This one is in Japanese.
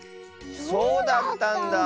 そうだったんだ。